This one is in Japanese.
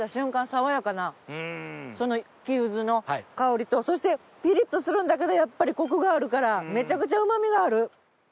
爽やかな黄ゆずの香りとそしてピリっとするんだけどやっぱりコクがあるからめちゃくちゃうま味がある！